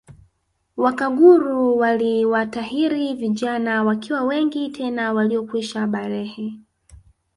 Wakaguru waliwatahiri vijana wakiwa wengi tena waliokwisha balehe